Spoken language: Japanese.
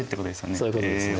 そういうことですね。